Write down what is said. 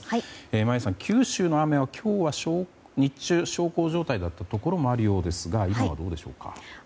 眞家さん、九州の雨は今日は日中小康状態だったところもあるようですが今はどうでしょうか？